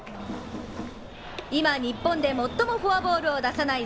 今、日本で最もフォアボールを出さない